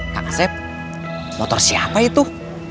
kakak sepp motor siapa itu